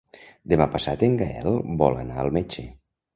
Demà passat en Gaël vol anar al metge.